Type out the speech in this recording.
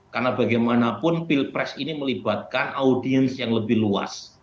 karena bagaimanapun pilpres ini melibatkan audiens yang lebih luas